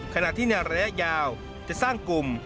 ขณะที่ในระยะยาวจะสร้างกลุ่ม